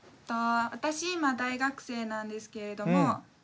私今大学生なんですけれども。